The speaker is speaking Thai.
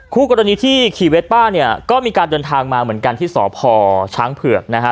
คู่กรณีที่ขี่เวสป้าเนี่ยก็มีการเดินทางมาเหมือนกันที่สพช้างเผือกนะฮะ